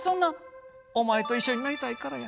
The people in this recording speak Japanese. お前と一緒になりたいからや。